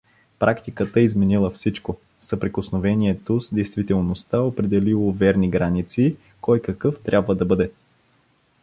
Практиката изменила всичко; съприкосновението с действителността определило верни граници кой какъв трябва да бъде.